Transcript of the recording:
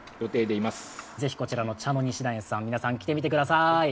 ぜひこちらの茶の西田園さん来てみてください。